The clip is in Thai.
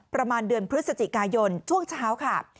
ประมาณเดือนพฤศจิกายนช่วงเช้าค่ะ